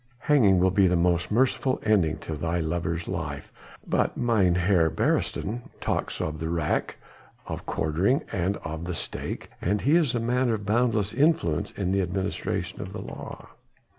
Hanging will be the most merciful ending to thy lover's life, but Mynheer Beresteyn talks of the rack, of quartering and of the stake, and he is a man of boundless influence in the administration of the law."